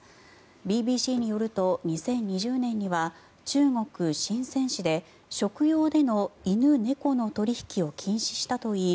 ＢＢＣによると２０２０年には中国シンセン市で、食用での犬、猫の取引を禁止したといい